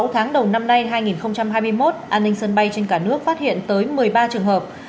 sáu tháng đầu năm nay hai nghìn hai mươi một an ninh sân bay trên cả nước phát hiện tới một mươi ba trường hợp